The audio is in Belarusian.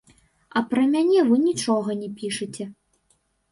А пра мяне вы нічога не пішыце.